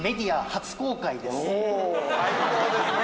最高ですね。